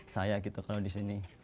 saya gitu kalau di sini